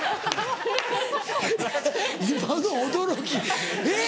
今の驚き「えぇ⁉」。